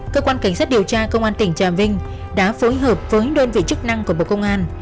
cơ quan cảnh sát điều tra công an tỉnh trà vinh đã phối hợp với đơn vị chức năng của bộ công an